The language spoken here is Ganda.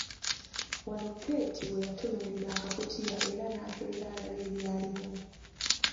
Wano Keeti we yatunuulira akakutiya era n'akebera alabe ebyalimu.